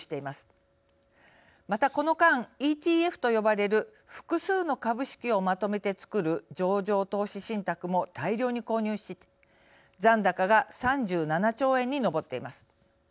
またこの間ＥＴＦと呼ばれる複数の株式をまとめてつくる上場投資信託も大量に購入し残高が３７兆円に上っています。